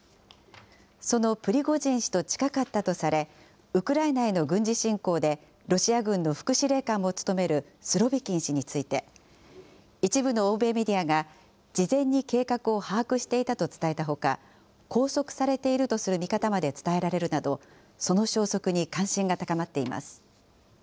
そのプリゴジン氏と近かったとされ、ウクライナへの軍事侵攻でロシア軍の副司令官も務めるスロビキン氏について、一部の欧米メディアが、事前に計画を把握していたと伝えたほか、拘束されているとする見方まで伝えられるなど、その消息に関心が高まっています。